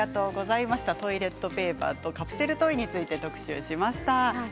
トイレットペーパーとカプセルトイについて特集しました。